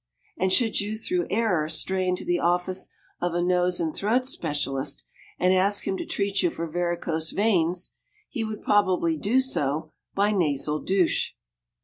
And should you through error stray into the office of a nose and throat specialist, and ask him to treat you for varicose veins, he would probably do so by nasal douche.